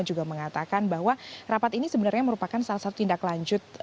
juga mengatakan bahwa rapat ini sebenarnya merupakan salah satu tindak lanjut